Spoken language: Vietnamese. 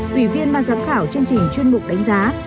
tùy viên ban giám khảo chương trình chuyên mục đánh giá